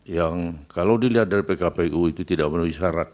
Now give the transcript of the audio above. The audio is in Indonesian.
yang kalau dilihat dari pkpu itu tidak menuhi syarat